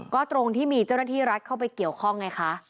ก็ตรงที่มีเจ้าหน้าที่รัฐเข้าไปเกี่ยวข้องไงคะ